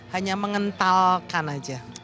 hanya mengentalkan aja